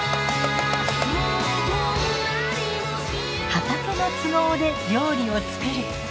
畑の都合で料理を作る。